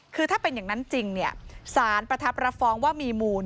คือถ้าเป็นอย่างนั้นจริงสารประทับรับฟ้องว่ามีมูล